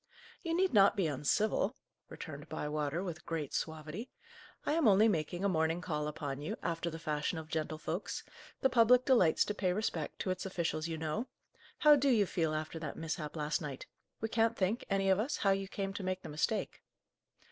"You need not be uncivil," returned Bywater, with great suavity. "I am only making a morning call upon you, after the fashion of gentlefolks; the public delights to pay respect to its officials, you know. How do you feel after that mishap last night? We can't think, any of us, how you came to make the mistake."